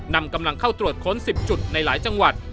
นำกำลังเข้าตรวจค้น๑๐จุดในหลายจังหวัด